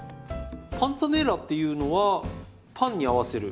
パンツァネッラっていうのはパンに合わせる。